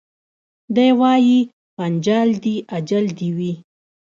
دی وايي پنچال دي اجل دي وي